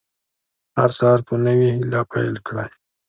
هر سهار په نوې هیله پیل کړئ.